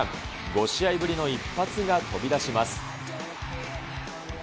５試合ぶりの一発が飛び出します。